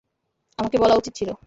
আমাকে বলা উচিত ছিলো!